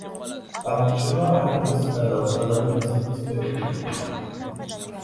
დაგვრჩება აი ეს გადაუხაზავი იასამნისფერი ფიგურები.